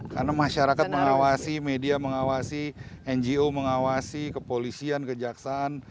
karena masyarakat mengawasi media mengawasi ngo mengawasi kepolisian kejaksaan